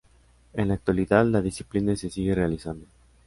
En la actualidad la disciplina se sigue realizando.